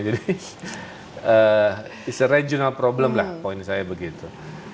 jadi it's a regional problem lah poin saya begitu